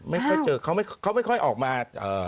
ไม่ค่อยเจอเขาไม่ค่อยออกมา